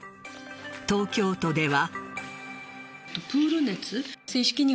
東京都では。